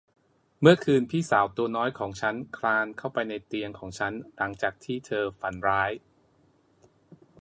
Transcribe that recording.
เมื่อคืนพี่สาวตัวน้อยของฉันคลานเข้าไปในเตียงของฉันหลังจากที่เธอฝันร้าย